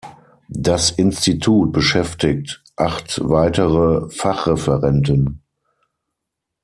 Das Institut beschäftigt acht weitere Fachreferenten.